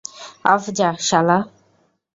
Of যা, শালা।